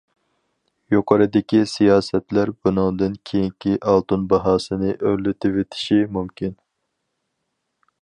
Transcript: يۇقىرىدىكى سىياسەتلەر بۇنىڭدىن كېيىنكى ئالتۇن باھاسىنى ئۆرلىتىۋېتىشى مۇمكىن.